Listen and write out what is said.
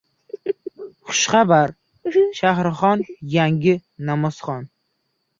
Xushxabar: Shahrixonda yangi namozxona